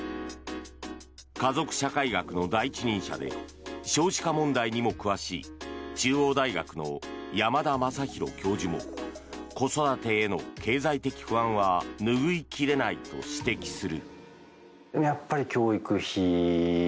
家族社会学の第一人者で少子化問題にも詳しい中央大学の山田昌弘教授も子育てへの経済的不安は拭い切れないと指摘する。